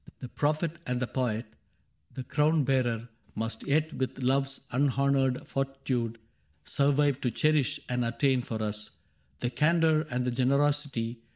The prophet and the poet, the crown bearer, Must yet with Love's unhonored fortitude. Survive to cherish and attain for us The candor and the generosity.